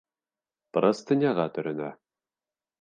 Простыняға төрөнә.